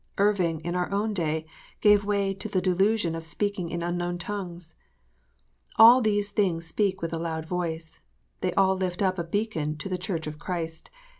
Irving, in our own day, gave way to the delusion of speaking in unknown tongues. All these things speak with a loud voice. They all lift up a beacon to the Church of Christ.